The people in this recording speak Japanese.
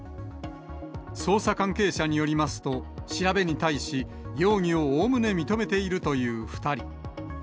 捜査関係者によりますと、調べに対し、容疑をおおむね認めているという２人。